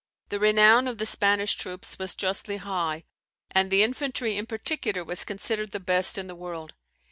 The renown of the Spanish troops was justly high, and the infantry in particular was considered the best in the world.